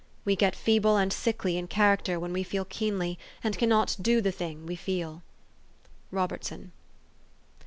We get feeble and sickly in character when we feel keenly, and cannot do the thing we feel." ROBERTSON.